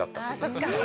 そっか。